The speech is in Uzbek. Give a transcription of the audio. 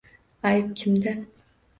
Ayb kimda?